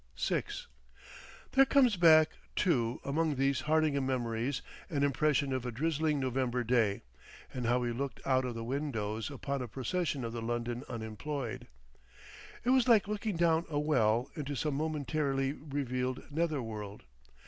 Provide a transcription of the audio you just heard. VI There comes back, too, among these Hardingham memories, an impression of a drizzling November day, and how we looked out of the windows upon a procession of the London unemployed. It was like looking down a well into some momentarily revealed nether world.